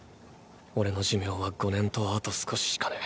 オレの寿命は５年とあと少ししかねぇ。